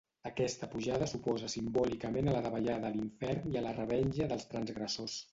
Aquesta pujada s'oposa simbòlicament a la davallada a Infern i a la revenja dels transgressors.